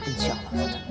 insya allah ustadz